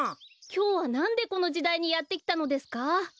きょうはなんでこのじだいにやってきたのですか？